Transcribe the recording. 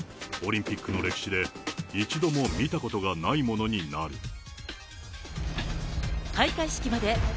オリンピックの歴史で一度も見たことがないものになる。